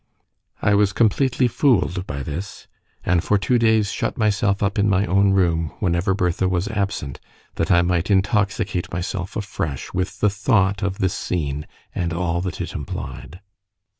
I was completely fooled by this, and for two days shut myself up in my own room whenever Bertha was absent, that I might intoxicate myself afresh with the thought of this scene and all it implied.